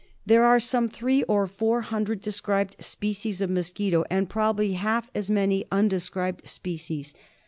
There are some three or four hundred described species of mosquito, and probably half as many unde scribed species.